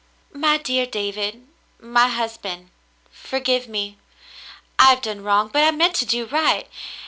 " My dear David, — My husband, forgive me. I have done wrong, but I meant to do right.